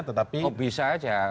oh bisa aja